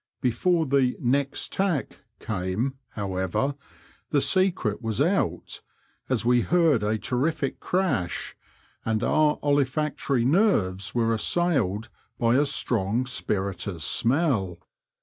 Before the next tack came, however, the secret was out, as we heard a terrific crash, and our olfactory nerves were assailed by a strong spirituous smell.